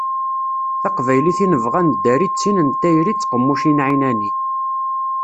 Taqbaylit i nebɣa ad neddari d tin n tayri d tqemmucin εinani.